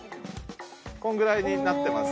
このぐらいになってます